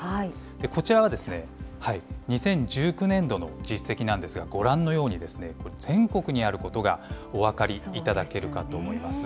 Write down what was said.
こちらは２０１９年度の実績なんですが、ご覧のようにこれ全国にあることがお分かりいただけるかと思います。